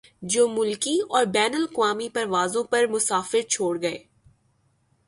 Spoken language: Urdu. جو ملکی اور بین الاقوامی پروازوں پر مسافر چھوڑ گئے